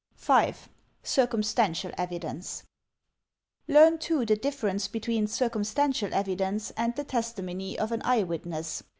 5. Circumstantial Evidence Learn, too, the difference between circumstantial evidence and the testimony of an eye witness.